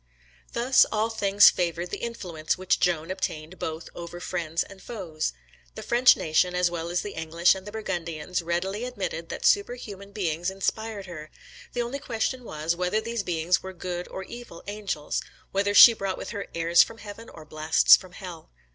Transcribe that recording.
Thus all things favoured the influence which Joan obtained both over friends and foes. The French nation, as well as the English and the Burgundians, readily admitted that superhuman beings inspired her: the only question was, whether these beings were good or evil angels; whether she brought with her "airs from heaven, or blasts from hell."